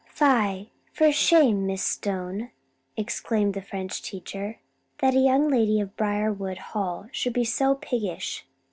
"Fie, for shame, Miss Stone!" exclaimed the French teacher. "That a young lady of Briarwood Hall should be so piggish!